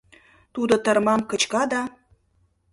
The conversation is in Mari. Тудо тырмам кычка да